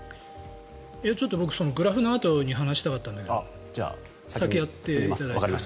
ちょっと僕そのグラフのあとに話したかったんだけど先やっていただいて。